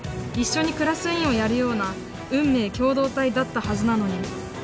一緒にクラス委員をやるような運命共同体だったはずなのに。